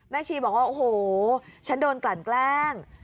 ชีบอกว่าโอ้โหฉันโดนกลั่นแกล้ง